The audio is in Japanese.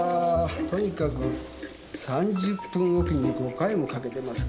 とにかく３０分置きに５回もかけてますからねえ。